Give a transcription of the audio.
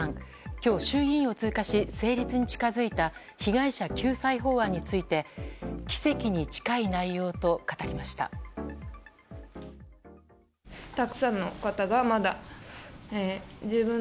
今日、衆議院を通過し成立に近づいた被害者救済法案について奇跡に近い内容と語りました。